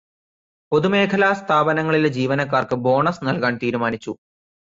പൊതുമേഖലാ സ്ഥാപനങ്ങളിലെ ജീവനക്കാര്ക്ക് ബോണസ് നൽകാൻ തീരുമാനിച്ചു.